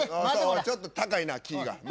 ちょっと高いなキーが。